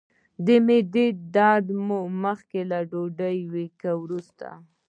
د معدې درد مو مخکې له ډوډۍ وي که وروسته؟